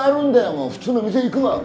もう普通の店行くわ。